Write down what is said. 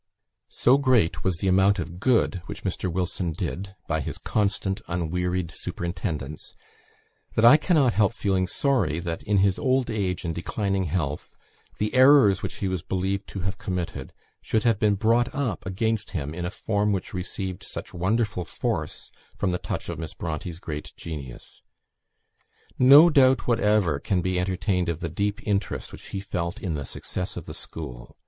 So great was the amount of good which Mr. Wilson did, by his constant, unwearied superintendence, that I cannot help feeling sorry that, in his old age and declining health, the errors which he was believed to have committed, should have been brought up against him in a form which received such wonderful force from the touch of Miss Bronte's great genius. No doubt whatever can be entertained of the deep interest which he felt in the success of the school.